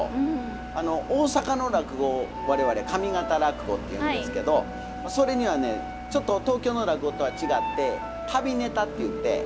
大阪の落語我々上方落語って言うんですけどそれにはねちょっと東京の落語とは違って「旅ネタ」って言ってまあ